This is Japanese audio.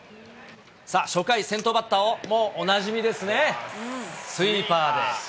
さあ、初回、先頭バッターを、もうおなじみですね、スイーパーで。